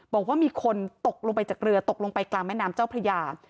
บอกว่ามีคนตกลงไปจากเรือตกลงไปกลางแม่น้ำเจ้าพระยา